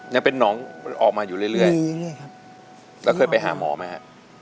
ยังเป็นน้องออกมาอยู่เรื่อยครับแล้วเคยไปหาหมอไหมฮะ